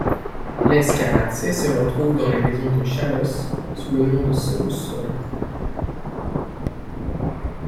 L'ezkaratze se retrouve dans les maisons de Chalosse sous le nom de sòu 'sol'.